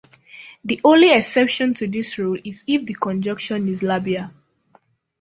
The only exception to this rule is if the conjunction is labial.